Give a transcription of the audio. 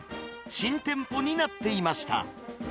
新店舗になっていました。